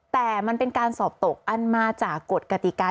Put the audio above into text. แต่มันเป็นการสอบตกอันมาจากกฎกติกา